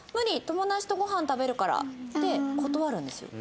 友達とごはん食べるから」って断るんですよ。